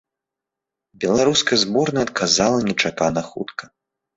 Беларуская зборная адказала нечакана хутка.